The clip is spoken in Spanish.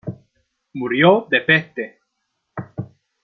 Murió de peste.